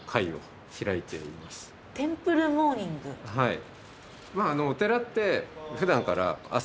はい。